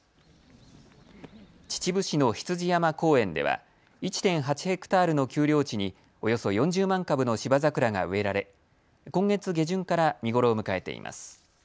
秩父市の羊山公園では１．８ヘクタールの丘陵地におよそ４０万株のシバザクラが植えられ今月下旬から見頃を迎えています。